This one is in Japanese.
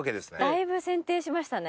だいぶ剪定しましたね。